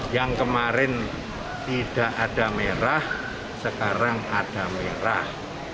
yang kemarin tidak ada merah sekarang ada merah